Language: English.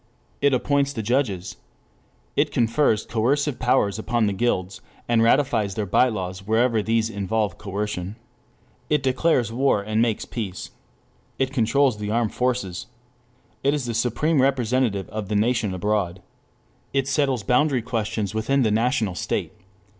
It appoints the judges. It confers coercive powers upon the guilds, and ratifies their by laws wherever these involve coercion. It declares war and makes peace. It controls the armed forces. It is the supreme representative of the nation abroad. It settles boundary questions within the national state.